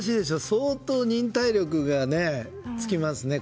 相当、忍耐力がつきますね。